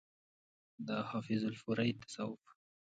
د حافظ الپورئ تصوف